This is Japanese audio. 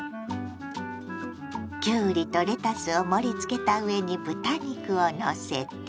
きゅうりとレタスを盛り付けた上に豚肉をのせて。